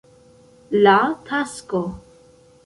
La Tasko.